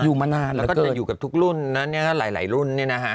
อยู่มานานแล้วก็อยู่กับทุกรุ่นนั้นเนี้ยหลายรุ่นนี้นะฮะ